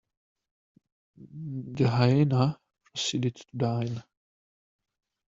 The hyena proceeded to dine.